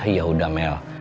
ya udah mel